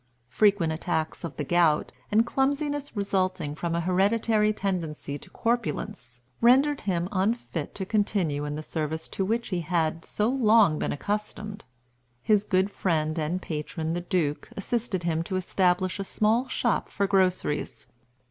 Frequent attacks of the gout, and clumsiness resulting from an hereditary tendency to corpulence, rendered him unfit to continue in the service to which he had so long been accustomed. His good friend and patron the Duke assisted him to establish a small shop for groceries.